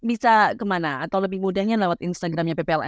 itu yang kita lakukan lewat instagramnya